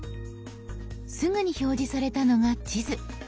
すぐに表示されたのが地図。